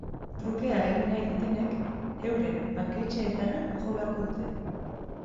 Trukea egin nahi dutenek euren banketxeetara jo beharko dute.